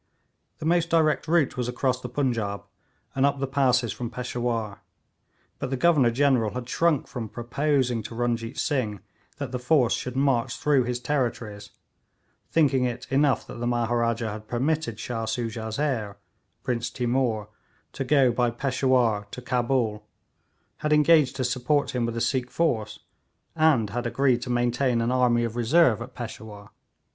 The most direct route was across the Punjaub, and up the passes from Peshawur, but the Governor General had shrunk from proposing to Runjeet Singh that the force should march through his territories, thinking it enough that the Maharaja had permitted Shah Soojah's heir, Prince Timour, to go by Peshawur to Cabul, had engaged to support him with a Sikh force, and had agreed to maintain an army of reserve at Peshawur.